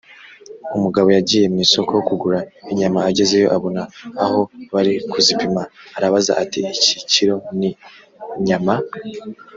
umugabo yagiye mwisoko kugura inyama agezeyo abona aho bari kuzipima arabaza ati iki kiro ni nyama?